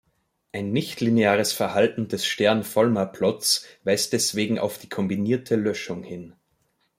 Ein nichtlineares Verhalten des Stern-Volmer-Plots weist deswegen auf die kombinierte Löschung hin.